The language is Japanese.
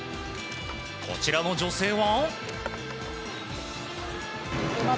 こちらの女性は。